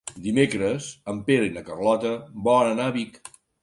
Dimecres en Pere i na Carlota volen anar a Vic.